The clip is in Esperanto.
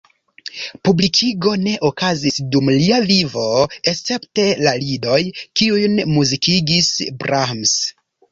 Publikigo ne okazis dum lia vivo, escepte la lidoj, kiujn muzikigis Brahms.